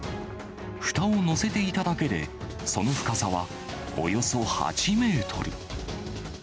ふたを載せていただけで、その深さはおよそ８メートル。